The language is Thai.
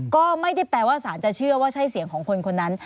ก็ไม่ได้แปลว่าสารจะเชื่อว่าใช่เสียงของคนคนนั้น